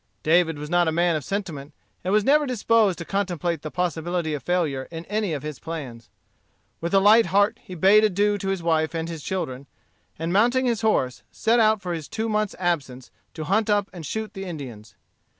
David was not a man of sentiment and was never disposed to contemplate the possibility of failure in any of his plans. With a light heart he bade adieu to his wife and his children, and mounting his horse, set out for his two months' absence to hunt up and shoot the Indians.